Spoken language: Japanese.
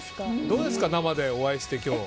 どうですか生でお会いして、今日。